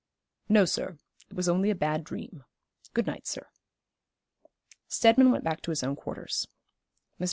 'No, sir. It was only a bad dream. Good night, sir.' Steadman went back to his own quarters. Mr.